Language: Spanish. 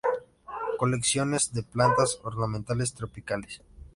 Colecciones de plantas ornamentales tropicales.